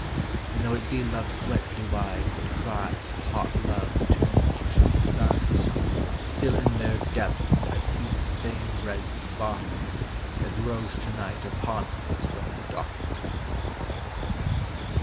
And though it be love's wet blue eyes that cry To hot love to relinquish its desire, Still in their depths I see the same red spark As rose to night upon us from the dark.